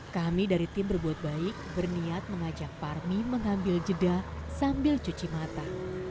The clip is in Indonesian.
kami dari tim berbuat baik berniat mengajak parmi mengambil jeda sambil cuci mata